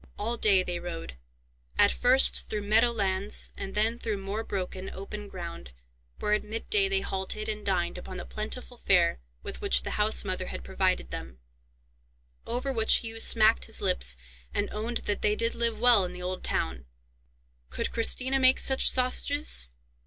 All day they rode, at first through meadow lands and then through more broken, open ground, where at mid day they halted, and dined upon the plentiful fare with which the housemother had provided them, over which Hugh smacked his lips, and owned that they did live well in the old town! Could Christina make such sausages?